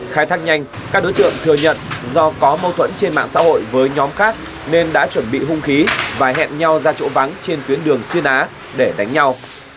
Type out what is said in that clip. khai thác nhanh các đối tượng thừa nhận do có mâu thuẫn trên mạng xã hội với nhóm khác nên đã chuẩn bị hung khí và hẹn nhau ra chỗ vắng trên tuyến đường xuyên á để đánh nhau